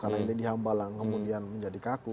karena ini di hambalang kemudian menjadi kaku